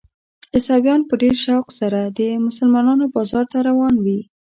عیسویان په ډېر شوق سره د مسلمانانو بازار ته روان وي.